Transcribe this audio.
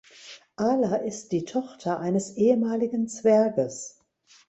Ala ist die Tochter eines ehemaligen Zwerges.